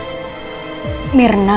tidak ada yang mau masuk rumah saya